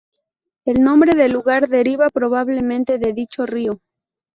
El nombre del lugar deriva probablemente de dicho río.